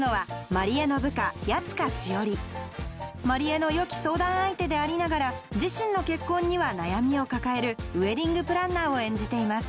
万里江のよき相談相手でありながら自身の結婚には悩みを抱えるウエディングプランナーを演じています